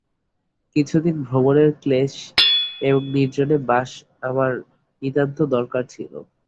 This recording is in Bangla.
কিছুদিন ভ্রমণের ক্লেশ এবং নির্জনে বাস আমার নিতান্ত দরকার ছিল।